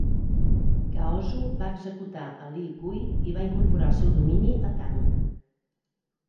Gaozu va executar a Li Gui i va incorporar el seu domini a Tang.